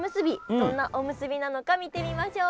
どんなおむすびなのか見てみましょう。